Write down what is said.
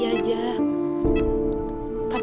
aku mau pergi